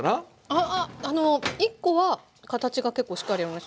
ああ１コは形が結構しっかりあります。